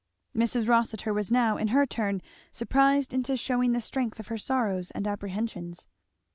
Mrs. Rossitur was now in her turn surprised into shewing the strength of her sorrows and apprehensions.